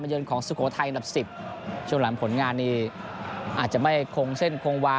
เยินของสุโขทัยอันดับสิบช่วงหลังผลงานนี้อาจจะไม่คงเส้นคงวา